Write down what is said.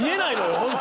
ホント。